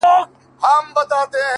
په دغسي شېبو كي عام اوخاص اړوي سـترگي.!